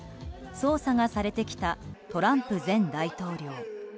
捜査がされてきたトランプ前大統領。